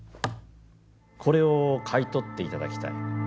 これを買い取っていただきたい。